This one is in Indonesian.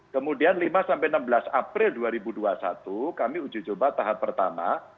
kemudian lima sampai enam belas april dua ribu dua puluh satu kami uji coba tahap pertama